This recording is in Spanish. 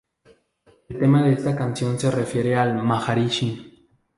El tema de esta canción se refiere al Maharishi.